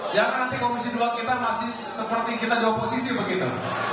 jangan nanti komisi dua kita masih seperti kita di oposisi begitu